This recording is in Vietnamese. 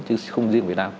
chứ không riêng việt nam